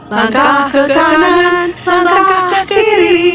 langkah ke kanan sampai ke kiri